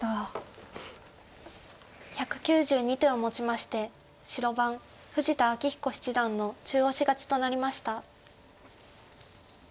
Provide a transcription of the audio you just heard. １９２手をもちまして白番富士田明彦七段の中押し勝ちとなりました。